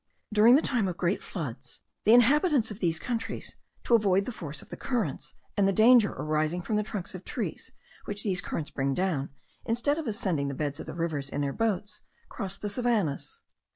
During the time of great floods, the inhabitants of these countries, to avoid the force of the currents, and the danger arising from the trunks of trees which these currents bring down, instead of ascending the beds of rivers in their boats, cross the savannahs.